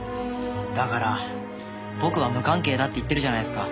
だから僕は無関係だって言ってるじゃないですか。